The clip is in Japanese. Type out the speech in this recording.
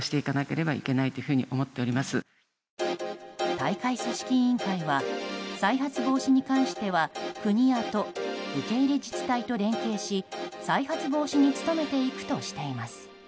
大会組織委員会は再発防止に関しては国や都受け入れ自治体と連携し再発防止に努めていくとしています。